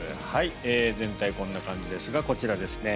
全体こんな感じですがこちらですね。